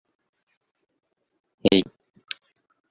The rebels were defeated and headed for the interior of Brazil.